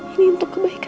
ini untuk kebaikan